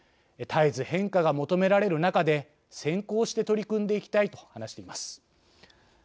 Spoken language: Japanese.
絶えず変化が求められる中で先行して取り組んでいきたい」と話しています。